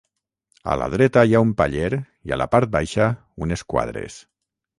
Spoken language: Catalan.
A la dreta hi ha un paller i a la part baixa unes quadres.